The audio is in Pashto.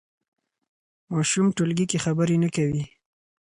ماشوم ټولګي کې خبرې نه کوي.